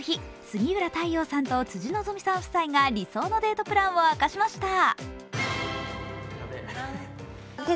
杉浦太陽さんと辻希美さん夫妻が理想のデートプランを明かしました。